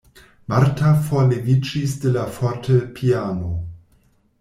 Marta forleviĝis de la fortepiano.